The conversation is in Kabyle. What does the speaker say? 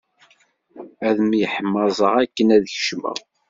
Ad myeḥmaẓeɣ akken ad kecmeɣ.